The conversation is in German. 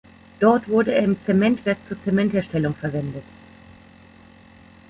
Dort wurde er im Zementwerk zur Zementherstellung verwendet.